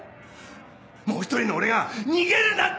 もう一人の俺が逃げるなって